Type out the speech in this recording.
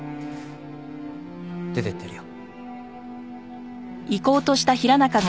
出ていってやるよ。